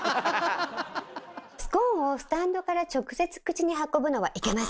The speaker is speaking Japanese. スコーンをスタンドから直接口に運ぶのはいけません。